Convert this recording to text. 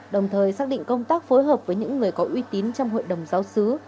đồng thời xác định công tác phối hợp với những người có uy tín trong hội đồng giáo sứ